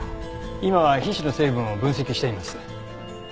今皮脂の成分を分析しています。